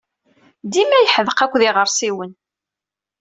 Dima yeḥdeq akked yiɣersiwen.